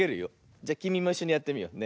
じゃきみもいっしょにやってみようね。